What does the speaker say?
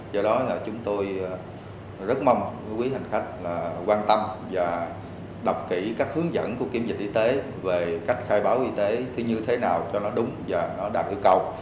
do đó chúng tôi rất mong quý khách quan tâm và đọc kỹ các hướng dẫn của kiểm dịch y tế về cách khai báo y tế như thế nào cho nó đúng và đạt ưu cầu